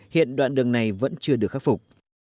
hiện đoạn đường này vẫn chưa được khắc phục